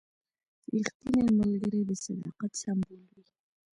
رښتینی ملګری د صداقت سمبول وي.